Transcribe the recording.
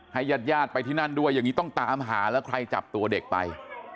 ญาติญาติไปที่นั่นด้วยอย่างนี้ต้องตามหาแล้วใครจับตัวเด็กไป